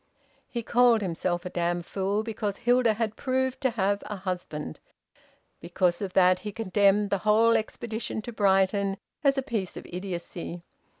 He called himself a damned fool because Hilda had proved to have a husband; because of that he condemned the whole expedition to Brighton as a piece of idiocy.